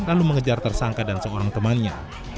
lalu mengejar tersangka dan seorang temannya